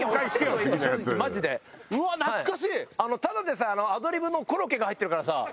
ただでさえアドリブのコロッケが入ってるからさ。